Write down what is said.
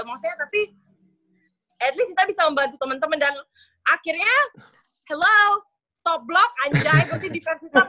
maksudnya tapi setidaknya kita bisa membantu teman teman dan akhirnya hello stop block anjay berarti di fans kita bagus banget